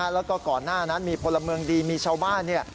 แล้วก็ก่อนหน้านั้นมีพลเมืองดีมีชาวบ้าน